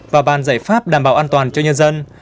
và bàn giải pháp đảm bảo an toàn cho nhân dân